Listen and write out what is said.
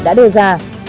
đã đưa ra